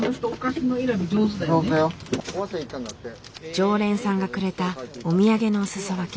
常連さんがくれたお土産のおすそ分け。